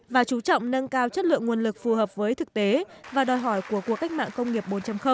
và chú trọng nâng cao chất lượng nguồn lực phù hợp với thực tế và đòi hỏi của cuộc cách mạng công nghiệp bốn